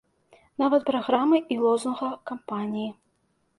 Нават праграмы і лозунга кампаніі.